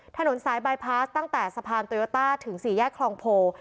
ถนนสายบายพาสตั้งแต่สะพานโตโยต้าถึงสี่แยกคลองโพ